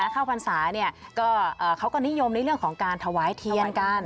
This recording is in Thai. เข้าพรรษาเขาก็นิยมในเรื่องของการถวายเทียนกัน